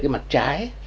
cái mặt trái